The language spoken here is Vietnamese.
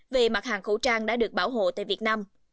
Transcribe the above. về mặt hàng khẩu trang đã được bảo hộ tại việt nam